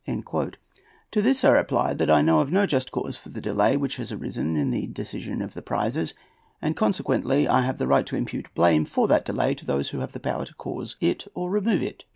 To this I reply that I know of no just cause for the delay which has arisen in the decision of the prizes, and consequently I have a right to impute blame for that delay to those who have the power to cause it or remove it.